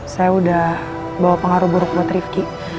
saya udah bawa pengaruh buruk buat rifki